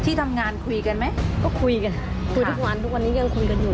ที่ทำงานคุยกันไหมก็คุยกันคุยทุกวันทุกวันนี้ยังคุยกันอยู่